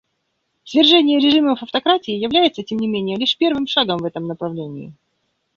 Свержение режимов автократии является, тем не менее, лишь первым шагом в этом направлении.